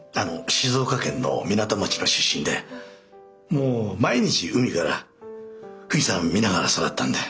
静岡県の港町の出身でもう毎日海から富士山見ながら育ったんで。